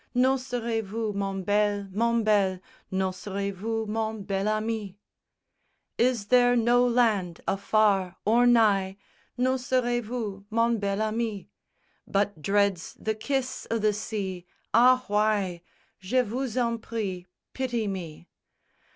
N'oserez vous, mon bel, mon bel, N'oserez vous, mon bel ami? V Is there no land, afar or nigh N'oserez vous, mon bel ami? But dreads the kiss o' the sea? Ah, why Je vous en prie, pity me!